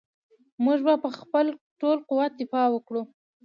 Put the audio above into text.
موږ به په خپل ټول قوت دفاع وکړو.